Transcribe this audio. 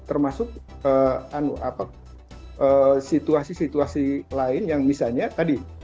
termasuk situasi situasi lain yang misalnya tadi